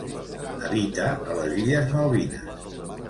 Habita a les illes Malvines.